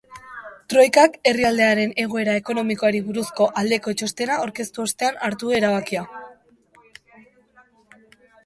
Troikak herrialdearen egoera ekonomikoari buruzko aldeko txostena aurkeztu ostean hartu du erabakia.